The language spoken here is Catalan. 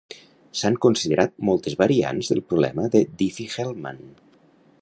S'han considerat moltes variants del problema de Diffie-Hellman.